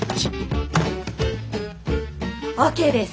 ＯＫです。